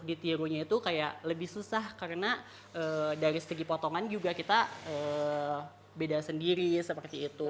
jadi kita bisa menggirunya itu kayak lebih susah karena dari segi potongan juga kita beda sendiri seperti itu